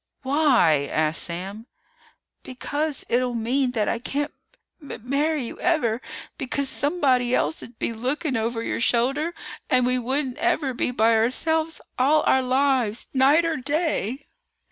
"Why?" asked Sam. "Because it'll mean that I can't m marry you ever, because somebody else'd be looking over your shoulder and we wouldn't ever be by ourselves all our lives night or day!"